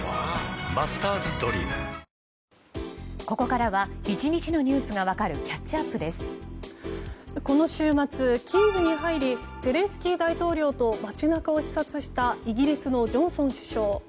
ここからは１日のニュースが分かるこの週末キーウに入りゼレンスキー大統領と街中を視察したイギリスのジョンソン首相。